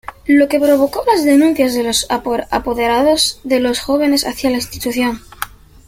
Lo que provocó las denuncias de los apoderados de los jóvenes hacía la institución.